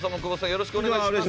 よろしくお願いします。